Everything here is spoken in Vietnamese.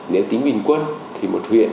nếu tính bình quân thì một huyện